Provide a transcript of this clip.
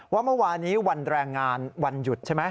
ว่าเมื่อวานี้วันแรงงานวันหยุดใช่ไหม